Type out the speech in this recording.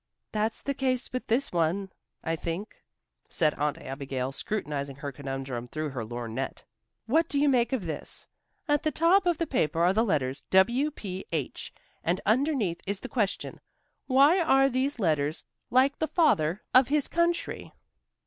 "That's the case with this one, I think," said Aunt Abigail, scrutinizing her conundrum through her lorgnette. "What do you make of this? At the top of the paper are the letters W. P. H. and underneath is the question 'Why are these letters like the Father of his country?'"